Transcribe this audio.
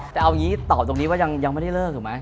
แต่เอาอย่างนี้ตอบตรงนี้ว่ายังไม่ได้เลิกถูกไหม